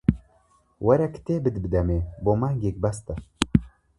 وەرە کتێبت بدەمێ بۆ مانگێک بەستە